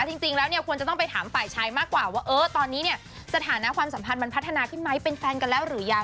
จริงแล้วเนี่ยควรจะต้องไปถามฝ่ายชายมากกว่าว่าเออตอนนี้เนี่ยสถานะความสัมพันธ์มันพัฒนาขึ้นไหมเป็นแฟนกันแล้วหรือยัง